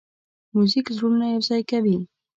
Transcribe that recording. موزیک زړونه یوځای کوي.